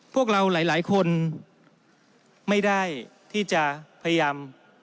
พวกเราหลายคนไม่ได้ที่จะพยายาม